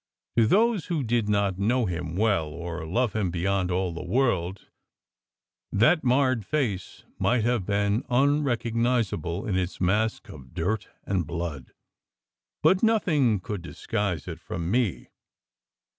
To those who did not know him well, or love him beyond all the world, that marred face might have been unrecognizable in its mask 226 SECRET HISTORY of dirt and blood. But nothing could disguise it from me.